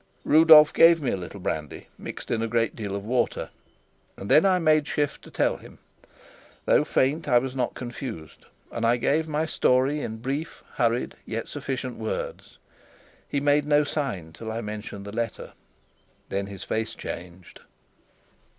Rudolf gave me a little brandy mixed in a great deal of water, and then I made shift to tell him. Though faint, I was not confused, and I gave my story in brief, hurried, yet sufficient words. He made no sign till I mentioned the letter. Then his face changed.